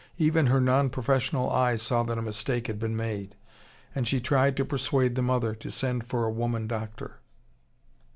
Even her non professional eye saw that a mistake had been made, and she tried to persuade the mother to send for a woman doctor.